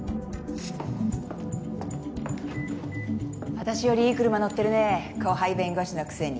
私よりいい車乗ってるね後輩弁護士のくせに。